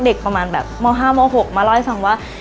ประมาณแบบม๕ม๖มาเล่าให้ฟังว่า